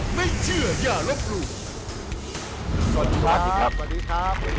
สวัสดีครับสวัสดีครับ